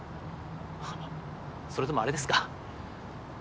あぁそれともあれですか？